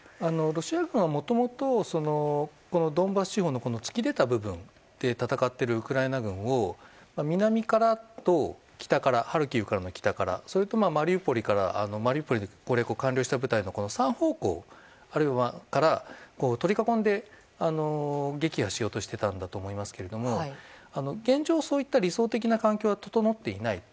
ロシア軍は、もともとドンバス地方の突き出た部分で戦っているウクライナ軍を南からとハルキウからの北からそれとマリウポリの攻略を完了した部隊の３方向から取り囲んで撃破しようとしていたんだと思いますけれども現状、そういった理想的な環境は整っていない。